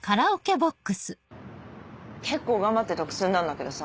結構頑張って徳積んだんだけどさ